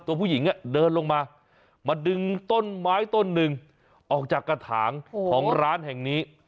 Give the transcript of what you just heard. ตัวผู้หญิงเดินลงมามาดึงต้นไม้ต้นหนึ่งออกจากกระถางของร้านแห่งนี้